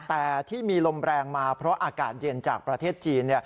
แต่ที่มีลมแรงมาเพราะอากาศเย็นจากประเทศจีน